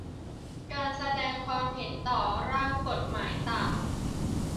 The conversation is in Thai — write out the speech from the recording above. การแสดงความเห็นต่อร่างกฎหมายต่าง